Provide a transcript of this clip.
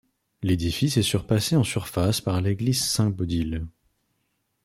L'édifice est surpassé en surface par l'église Saint-Baudile.